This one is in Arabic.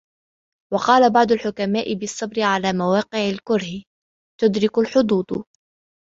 وَقَالَ بَعْضُ الْحُكَمَاءِ بِالصَّبْرِ عَلَى مَوَاقِعِ الْكُرْهِ تُدْرَكُ الْحُظُوظُ